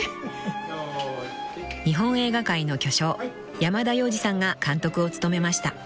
［日本映画界の巨匠山田洋次さんが監督を務めました］